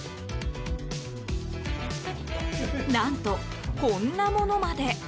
何と、こんなものまで。